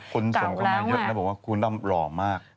คนส่งเข้ามาเยอะแล้วบอกว่าคุณดำหล่อมาก